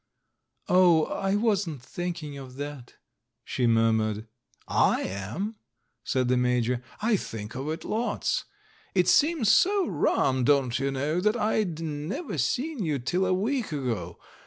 "Oh, I wasn't thinking of that," she murmured. "J am," said the Major, "I think of it lots. It seems so rum, don't you know, that I'd never seen you till a week ago.